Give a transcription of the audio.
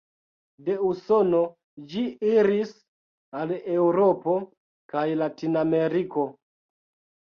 De Usono ĝi iris al Eŭropo kaj Latinameriko.